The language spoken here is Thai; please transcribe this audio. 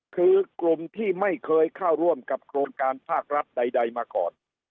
คือกลุ่มที่ไม่เคยเข้าร่วมกับโครงการภาครัฐใดมาก่อน